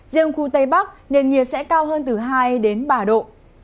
riêng khu tây bắc nền nhiệt sẽ cao hơn từ hai đến ba độ